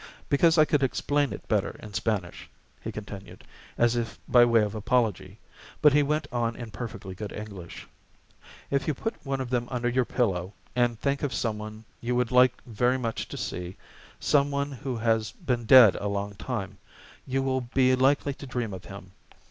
"Because I could explain it better in Spanish," he continued, as if by way of apology; but he went on in perfectly good English: "If you put one of them under your pillow, and think of some one you would like very much to see, some one who has been dead a long time, you will be likely to dream of him.